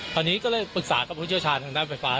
ตอนนี้ก็เลยปรึกษากับผู้เชี่ยวชาญทางด้านไฟฟ้า